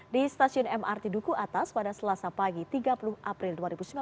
di stasiun mrt duku atas pada selasa pagi tiga puluh april dua ribu sembilan belas